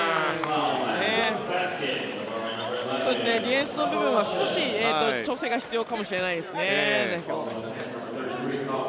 ディフェンスの部分は少し調整が必要かもしれないですね。